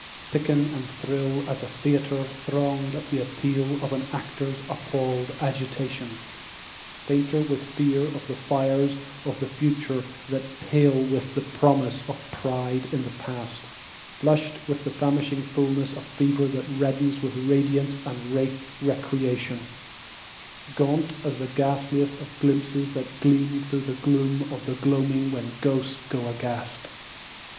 Thicken and thrill as a theatre thronged at appeal of an actor's appalled agitation, Fainter with fear of the fires of the future than pale with the promise of pride in the past; Flushed with the famishing fullness of fever that reddens with radiance and rathe* recreation, [speedy] Gaunt as the ghastliest of glimpses that gleam through the gloom of the gloaming when ghosts go aghast?